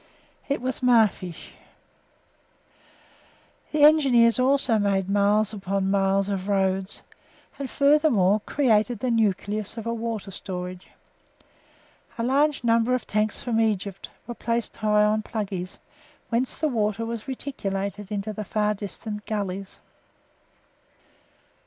It was Mafeesh. The Engineers also made miles upon miles of roads and, furthermore, created the nucleus of a water storage. A number of large tanks from Egypt were placed high up on "Pluggey's," whence the water was reticulated into the far distant gullies.